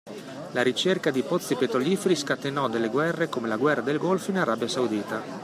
La ricerca di pozzi petroliferi scatenò delle guerre come la guerra del Golfo in Arabia saudita.